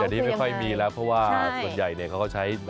อันนี้ไม่ค่อยมีแล้วเพราะว่าส่วนใหญ่เนี่ยเขาก็ใช้